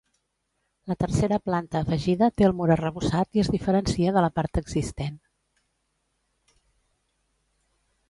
La tercera planta afegida té el mur arrebossat i es diferencia de la part existent.